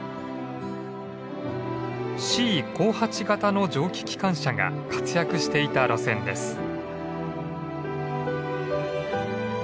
Ｃ５８形の蒸気機関車が活躍していた路線です。